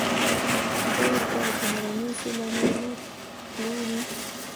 بیا یې پر بهرنیو سیلانیانو پلوري